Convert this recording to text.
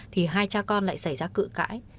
thì hai cha con lại xảy ra cự cãi